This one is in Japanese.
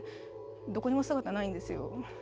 どこにも姿ないんですよ。